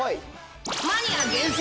マニア厳選！